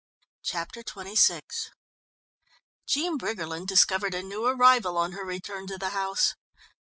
Chapter XXVI Jean Briggerland discovered a new arrival on her return to the house.